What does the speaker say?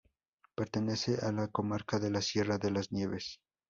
Pertenece a la comarca de La Sierra De Las Nieves.